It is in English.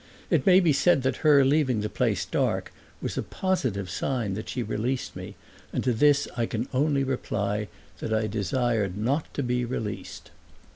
It may be said that her leaving the place dark was a positive sign that she released me, and to this I can only reply that I desired not to be released.